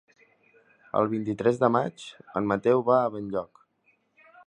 El vint-i-tres de maig en Mateu va a Benlloc.